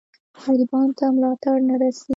غریبانو ته ملاتړ نه رسي.